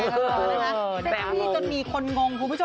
ก็ดันดี้จนมีคนงงคุณผู้ชม